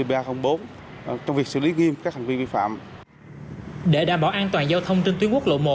như ba bốn trong việc xử lý nghiêm các thành viên vi phạm để đảm bảo an toàn giao thông trên tuyến